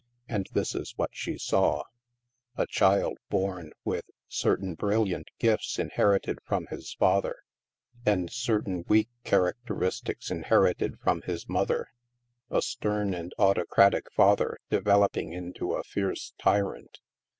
And this is what she saw : A child born with certain brilliant gifts inherited from his father, and certain weak characteristics inherited from his mother. A stem and autocratic father, developing into a fierce tyrant.